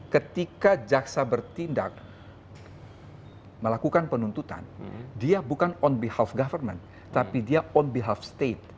ketika jaksa bertindak melakukan penuntutan dia bukan on behalf government tapi dia on behalf state